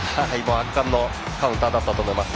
圧巻のカウンターだったと思います。